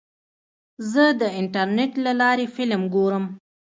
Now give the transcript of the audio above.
زه د انټرنیټ له لارې فلم ګورم.